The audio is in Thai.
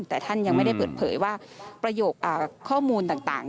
แต่ท่านยังไม่ได้เปิดเผยว่าประโยคข้อมูลต่าง